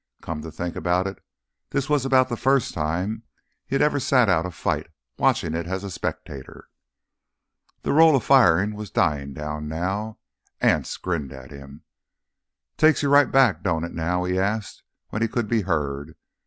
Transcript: Come to think of it, this was about the first time he had ever sat out a fight, watching it as a spectator. The roll of firing was dying down. Anse grinned at him. "Takes you right back, don't it now?" he asked when he could be heard.